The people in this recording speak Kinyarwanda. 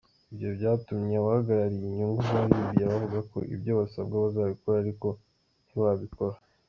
Ibyo byatumye abahagarariye inyungu za Libya bavuga ko ibyo basabwa bazabikora ariko ntibabikora.